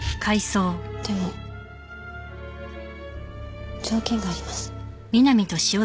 でも条件があります。